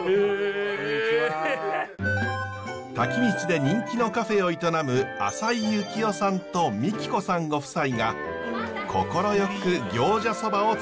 滝道で人気のカフェを営む浅井行夫さんと美貴子さんご夫妻が快く行者そばをつくってくれました。